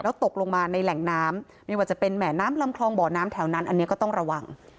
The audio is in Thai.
ตกลงมาในแหล่งน้ำไม่ว่าจะเป็นแห่น้ำลำคลองบ่อน้ำแถวนั้นอันนี้ก็ต้องระวัง